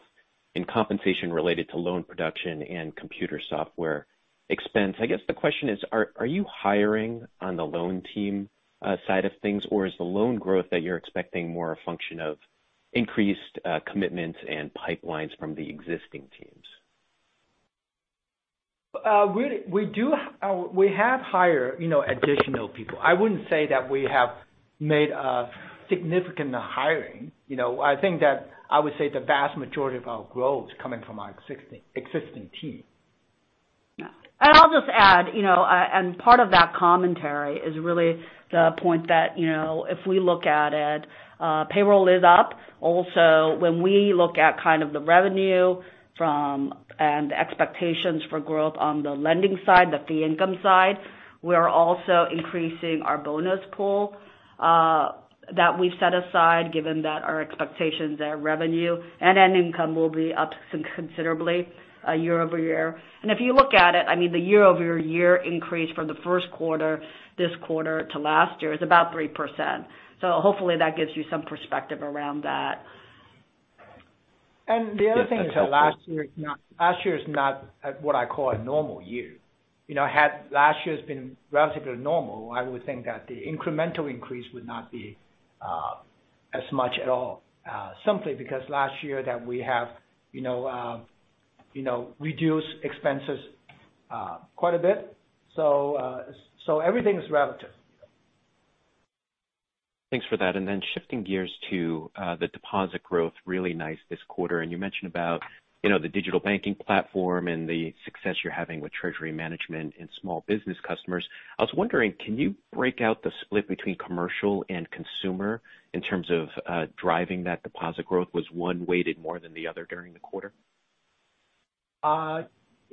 in compensation related to loan production and computer software expense. I guess the question is, are you hiring on the loan team side of things, or is the loan growth that you're expecting more a function of increased commitments and pipelines from the existing teams? We do, we have hired additional people. I wouldn't say that we have made a significant hiring. I think that I would say the vast majority of our growth is coming from our existing team. Yeah. I'll just add, part of that commentary is really the point that if we look at it, payroll is up. Also, when we look at kind of the revenue from and expectations for growth on the lending side, the fee income side, we are also increasing our bonus pool that we've set aside given that our expectations that revenue and income will be up considerably year-over-year. If you look at it, the year-over-year increase from the first quarter this quarter to last year is about 3%. Hopefully that gives you some perspective around that. And the other thing is that last year is not what I call a normal year. You know, had last year's been relatively normal, I would think that the incremental increase would not be as much at all. Simply because last year that we have reduced expenses quite a bit. Everything is relative. Thanks for that. Shifting gears to the deposit growth, really nice this quarter. You mentioned about the digital banking platform and the success you're having with treasury management and small business customers. I was wondering, can you break out the split between commercial and consumer in terms of driving that deposit growth? Was one weighted more than the other during the quarter?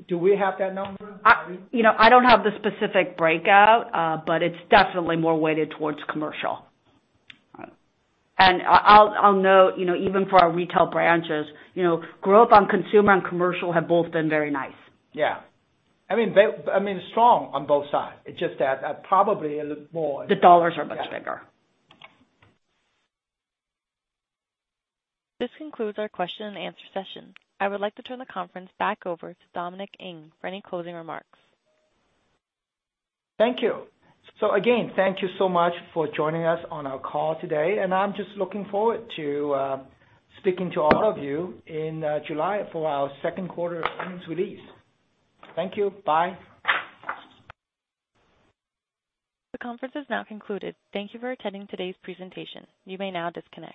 Do we have that number, Irene? I don't have the specific breakout, but it's definitely more weighted towards commercial. All right. I'll note, even for our retail branches, growth on consumer and commercial have both been very nice. Yeah. I mean, strong on both sides. It's just that, probably, it looked more- The dollars are much bigger. Yeah. This concludes our question-and-answer session. I would like to turn the conference back over to Dominic Ng for any closing remarks. Thank you. So again, thank you so much for joining us on our call today, and I'm just looking forward to speaking to all of you in July for our second quarter earnings release. Thank you. Bye. The conference is now concluded. Thank you for attending today's presentation. You may now disconnect.